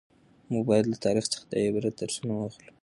موږ باید له تاریخ څخه د عبرت درسونه واخلو.